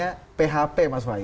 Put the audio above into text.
itu sudah diberikan hp mas wahyu